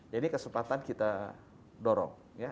jadi kesempatan kita dorong